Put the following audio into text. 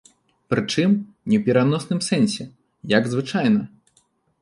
Прычым, не у пераносным сэнсе, як звычайна.